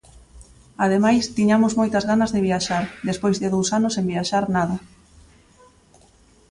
Ademais, tiñamos moitas ganas de viaxar, despois de dous anos sen viaxar nada.